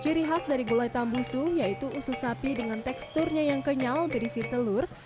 ciri khas dari gulai tambusu yaitu usus sapi dengan teksturnya yang kenyal berisi telur